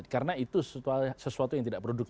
karena itu sesuatu yang tidak produk itu